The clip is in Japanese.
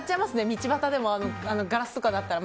道端でもガラスとかだったら。